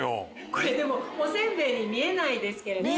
これでもおせんべいに見えないですけれども。